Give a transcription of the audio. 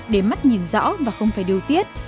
để mắt nhìn rõ và không phải điều tiết